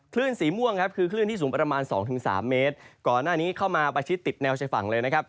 สีม่วงครับคือคลื่นที่สูงประมาณสองถึงสามเมตรก่อนหน้านี้เข้ามาประชิดติดแนวชายฝั่งเลยนะครับ